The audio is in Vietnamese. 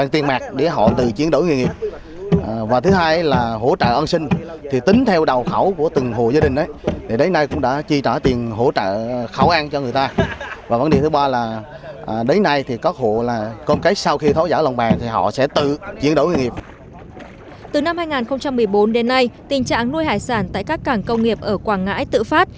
từ năm hai nghìn một mươi bốn đến nay tình trạng nuôi hải sản tại các cảng công nghiệp ở quảng ngãi tự phát